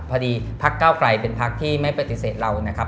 พักเก้าไกลเป็นพักที่ไม่ปฏิเสธเรานะครับ